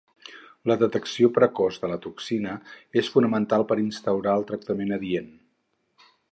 La detecció precoç de la toxina és fonamental per instaurar el tractament adient.